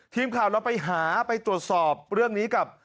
ทีมข่าวเราไปหาไปตรวจสอบเรื่องนี้กับ